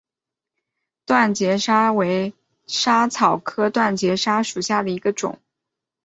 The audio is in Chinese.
断节莎为莎草科断节莎属下的一个种。